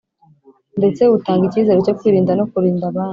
ndetse butanga icyizere cyo kwirinda no kurinda abandi